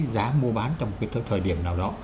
giá mua bán trong cái thời điểm nào đó